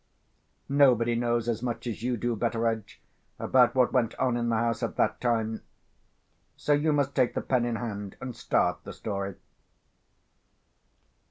Nobody knows as much as you do, Betteredge, about what went on in the house at that time. So you must take the pen in hand, and start the story."